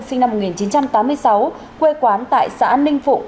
sinh năm một nghìn chín trăm tám mươi sáu quê quán tại xã ninh phụng